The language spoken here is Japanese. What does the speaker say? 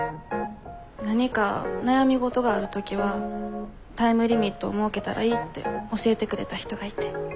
何か悩み事がある時はタイムリミットを設けたらいいって教えてくれた人がいて。